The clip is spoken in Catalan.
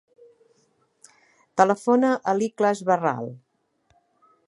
Telefona a l'Ikhlas Barral.